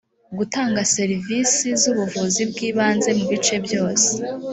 gutanga serivisi z ubuvuzi bw ibanze mu bice byose